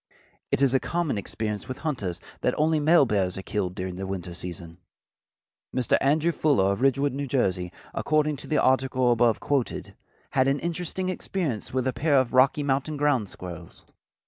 It is a common experience with hunters that only male bears are killed during the winter season. Mr. Andrew Fuller of Ridgewood, New Jersey, according to the article above quoted, had an interesting experience with a pair of Rocky Mountain ground squirrels.